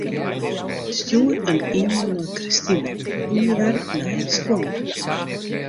Stjoer in e-mail nei Kristine, ûnderwerp nije skuon.